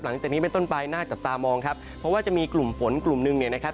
หลังจากนี้เป็นต้นไปน่าจับตามองครับเพราะว่าจะมีกลุ่มฝนกลุ่มหนึ่งเนี่ยนะครับ